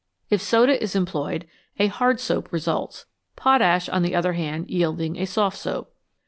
If soda is employed, a hard soap results, potash, on the other hand, yielding a soft soap.